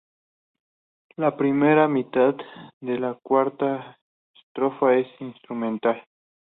La primera mitad de la cuarta estrofa es instrumental.